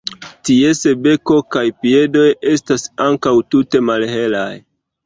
Ties beko kaj piedoj estas ankaŭ tute malhelaj.